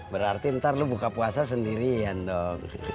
berarti ntar lu buka puasa sendirian dong